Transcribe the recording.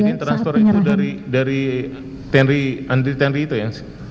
jadi transfer itu dari andri tanri itu ya